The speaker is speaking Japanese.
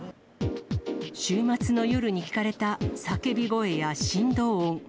週末の夜に聞かれた叫び声や振動音。